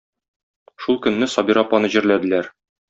Шул көнне Сабира апаны җирләделәр.